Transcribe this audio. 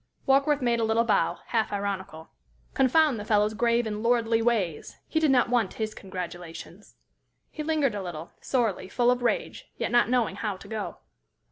Warkworth made a little bow, half ironical. Confound the fellow's grave and lordly ways! He did not want his congratulations. He lingered a little, sorely, full of rage, yet not knowing how to go.